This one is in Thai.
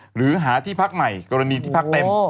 หรือหาที่พักใหม่กรณีที่พักเต็ม